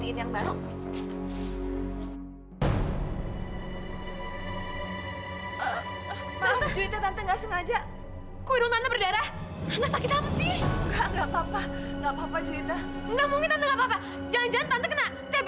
sampai jumpa di video selanjutnya